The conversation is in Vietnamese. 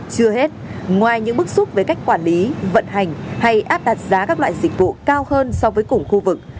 chưa hết ngoài những bức xúc về cách quản lý vận hành hay áp đặt giá các loại dịch vụ cao hơn so với cùng khu vực